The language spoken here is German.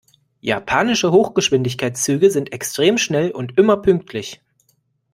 Japanische Hochgeschwindigkeitszüge sind extrem schnell und immer pünktlich.